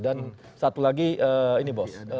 dan satu lagi ini bos